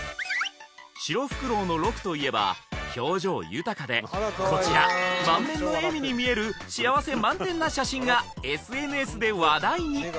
シロフクロウのロクといえば表情豊かでこちら満面の笑みに見える幸せ満点な写真がＳＮＳで話題に！